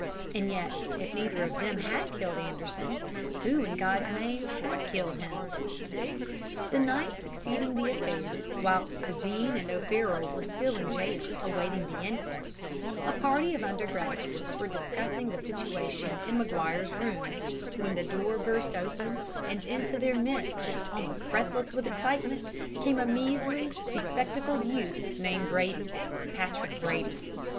And yet if neither of them had killed Anderson, who in God's name had killed him? "The night succeeding the affair, whilst the Dean and O'Farroll were still in jail awaiting the inquest, a party of undergraduates were discussing the situation in Maguire's rooms, when the door burst open, and into their midst, almost breathless with excitement, came a measly, bespectacled youth named Brady Patrick Brady.